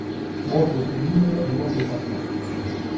Mortos su die e mortos a pustis.